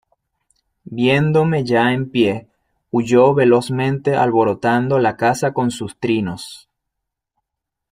viéndome ya en pie, huyó velozmente alborotando la casa con sus trinos.